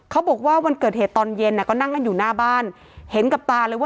บอกว่าวันเกิดเหตุตอนเย็นก็นั่งกันอยู่หน้าบ้านเห็นกับตาเลยว่า